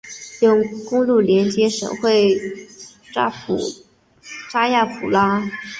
有公路连接省会查亚普拉。